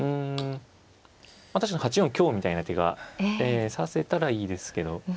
確かに８四香みたいな手が指せたらいいですけど。